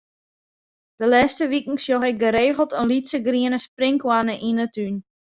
De lêste wiken sjoch ik geregeld in lytse griene sprinkhoanne yn 'e tún.